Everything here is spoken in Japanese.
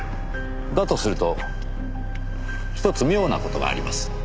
だとするとひとつ妙な事があります。